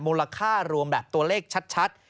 มูลค่ารวมแบบตัวเลขชัด